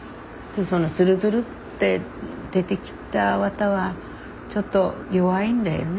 ずるずるって出てきた綿はちょっと弱いんだよね。